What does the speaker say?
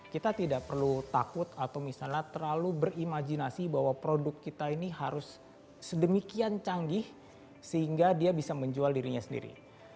kita tidak perlu takut atau misalnya terlalu berimajinasi bahwa produk kita ini harus sedemikian canggih sehingga dia bisa menjual dirinya sendiri